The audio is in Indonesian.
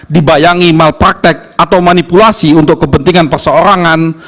dibayangi malpraktek atau manipulasi untuk kepentingan perseorangan